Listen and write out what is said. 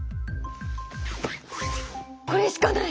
これしかない！